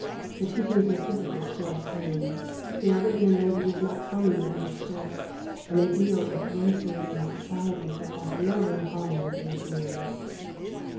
Their teachings are difficult to obtain; they are written in languages not commonly understood, and they deal with races and societies that have little in common with Europeans.